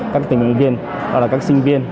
các tình nguyện viên các sinh viên